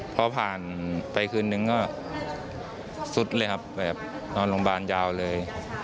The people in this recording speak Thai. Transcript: พอผ่านไปคืนนึงก็สุดเลยครับแบบนอนโรงพยาบาลยาวเลย